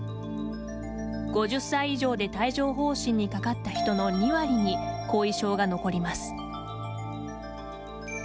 ５０歳以上で帯状ほう疹にかかった人の２割に後遺症が残ります。